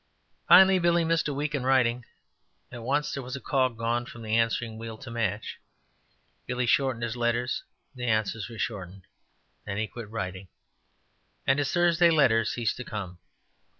Finally, Billy missed a week in writing. At once there was a cog gone from the answering wheel to match. Billy shortened his letters; the answers were shortened. Then he quit writing, and his Thursday letter ceased to come.